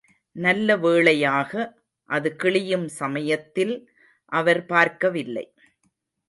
நல்ல வேளையாக, அது கிழியும் சமயத்தில் அவர் பார்க்கவில்லை.